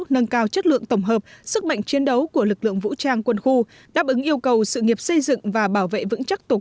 nâng cao chất lượng tổng hợp sức mạnh chiến đấu của lực lượng vũ trang quân khu